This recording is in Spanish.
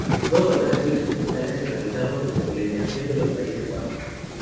Dos operaciones simultáneas se realizaron durante la invasión de los Países Bajos.